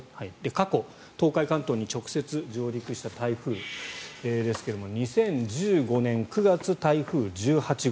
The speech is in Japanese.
過去、東海・関東に直接上陸した台風ですけれども２０１５年９月、台風１８号。